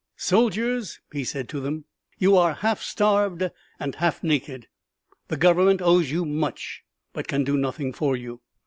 "Soldiers," he said to them, "you are half starved and half naked: the government owes you much, but can do nothing for you.